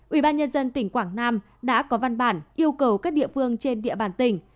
ubnd tỉnh quảng nam đã có văn bản yêu cầu các địa phương trên địa bàn tỉnh